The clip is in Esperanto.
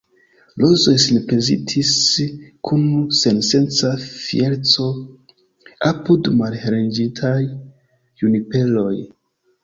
Rozoj sinprezentis kun sensenca fiereco apud malheliĝintaj juniperoj.